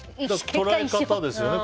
捉え方ですよね